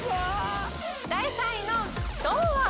第３位の銅は。